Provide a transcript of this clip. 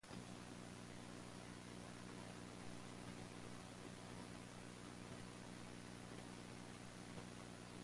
The divisions between all these groups are rough and their boundaries aren't solid.